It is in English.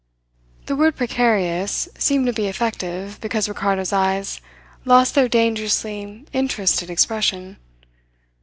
The word precarious seemed to be effective, because Ricardo's eyes lost their dangerously interested expression.